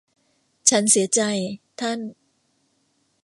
ฉันเสียใจ ท่าน